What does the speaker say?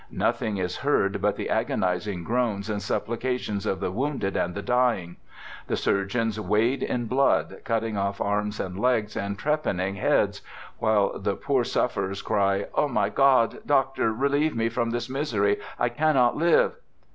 Nothing is heard but the agonizing groans and supplica tions of the wounded and the dying. The surgeons wade in blood, cutting off arms and legs and trepanning heads, while the poor sufferers cry, ' O, my God ! Doctor, relieve me from this misery! I cannot live!'